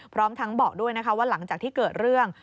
พร้อมทั้งบอกด้วยนะคะว่าหลังจากที่เกิดเรื่อง